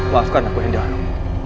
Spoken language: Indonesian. maafkan aku hinda alam